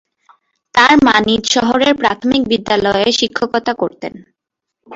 তার মা নিজ শহরের প্রাথমিক বিদ্যালয়ে শিক্ষকতা করতেন।